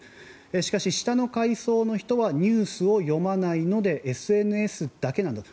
しかし下の階層の人はニュースを読まないのでＳＮＳだけなんだと。